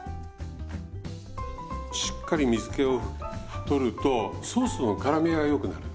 しっかり水けを取るとソースのからみがよくなる。